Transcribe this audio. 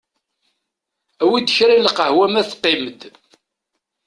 Awi-d kra n lqahwa ma teqqim-d.